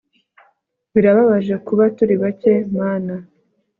birababaje kuba turi bake, mana